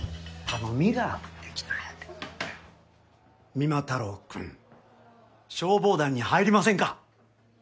三馬太郎くん消防団に入りませんか？